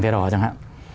thẻ đỏ chẳng hạn